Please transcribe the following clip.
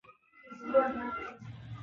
ماشوم په بڼ کې د رنګینو تیتانانو په لټه کې و.